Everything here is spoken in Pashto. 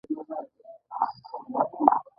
د میوو ډک باغونه زموږ خوب دی.